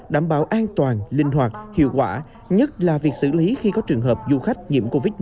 đảm bảo an toàn linh hoạt hiệu quả nhất là việc xử lý khi có trường hợp du khách nhiễm covid một mươi chín